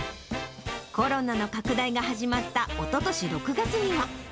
コロナの拡大が始まったおととし６月には。